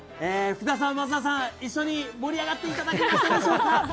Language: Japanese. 福田さん、松田さん、一緒に盛り上がっていただけたでしょうか。